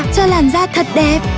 cho làn da thật đẹp